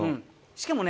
しかもね